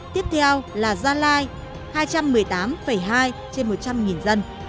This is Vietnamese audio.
tiếp theo là gia lai hai trăm một mươi tám hai trên một trăm linh dân